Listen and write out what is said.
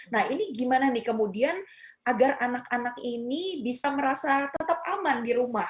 nah ini gimana nih kemudian agar anak anak ini bisa merasa tetap aman di rumah